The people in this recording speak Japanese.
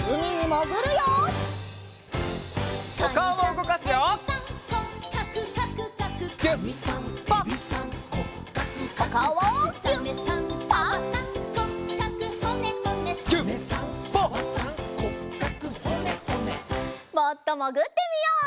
もっともぐってみよう。